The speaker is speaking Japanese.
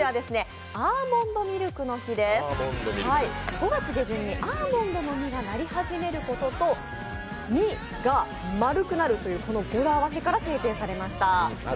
５月下旬にアーモンドの実がなり始めることと、３が０という語呂合わせから制定されました。